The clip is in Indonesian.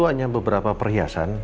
hanya beberapa perhiasan